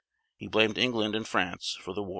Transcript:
He blamed England and France for the war.